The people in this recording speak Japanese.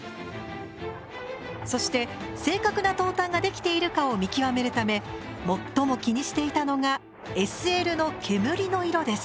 そして正確な投炭ができているかを見極めるため最も気にしていたのがＳＬの煙の色です。